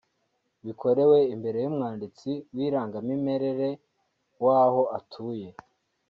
bikorewe imbere y’umwanditsi w’irangamimerere w’aho atuye